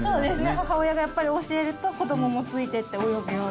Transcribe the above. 母親がやっぱり教えると子供もついてって泳ぐようになる。